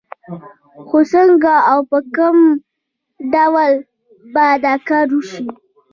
خو څنګه او په کوم ډول به دا کار وشي؟